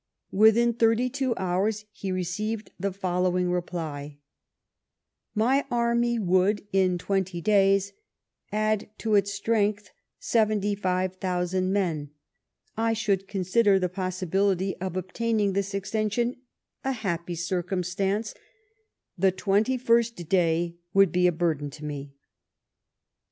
Within thirty two hours he received the following reply :" My army would, in twenty days, add to its strength 75,000 men, I should consider the possibility of obtaining this extension a happy circum stance ; the twenty first day would be a burden to me."